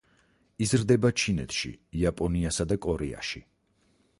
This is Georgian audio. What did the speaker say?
იზრდება ჩინეთში, იაპონიასა და კორეაში.